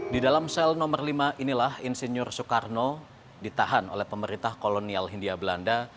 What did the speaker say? di dalam sel nomor lima inilah insinyur soekarno ditahan oleh pemerintah kolonial hindia belanda